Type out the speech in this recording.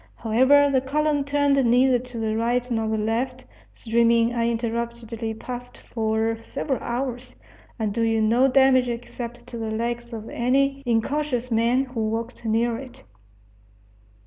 However, the column turned neither to the right nor the left, streaming uninterruptedly past for several hours, and doing no damage except to the legs of any incautious man who walked near it.